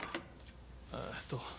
えっと。